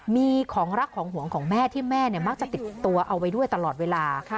มีของรักของห่วงของแม่ที่แม่มักจะติดตัวเอาไว้ด้วยตลอดเวลา